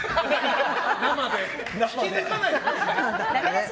生で引き抜かないください。